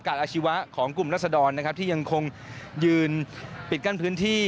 อาชีวะของกลุ่มรัศดรนะครับที่ยังคงยืนปิดกั้นพื้นที่